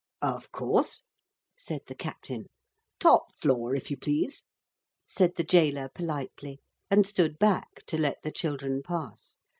'Of course,' said the captain. 'Top floor, if you please,' said the gaoler politely, and stood back to let the children pass.